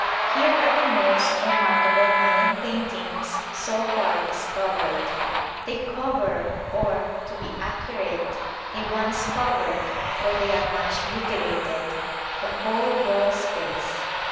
Here are the most remarkable Mayan paintings so far discovered. They cover, or, to be accurate, they once covered (for they are much mutilated), the whole wall space.